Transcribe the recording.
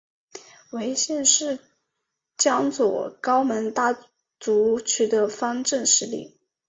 为谢氏成为江左高门大族取得方镇实力。